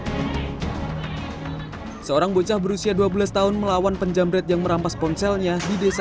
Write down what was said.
hai seorang bocah berusia dua belas tahun melawan penjamret yang merampas ponselnya di desa